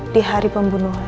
di hari pembunuhan